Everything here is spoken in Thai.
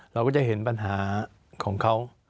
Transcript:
เราก็จะเห็นปัญหาของเขา